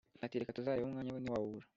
ati"reka tuzarebe umwanya wo ntiwawubura"